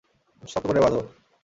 শক্ত করে বাঁধো!